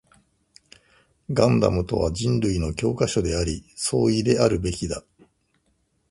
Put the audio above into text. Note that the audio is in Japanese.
ガンダムとは人類の教科書であり、総意であるべきだ